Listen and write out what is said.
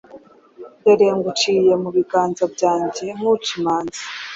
Dore nguciye mu biganza byanjye nk’uca imanzi,